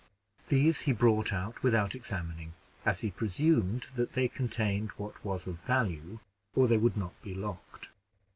These he brought out without examining, as he presumed that they contained what was of value, or they would not be locked.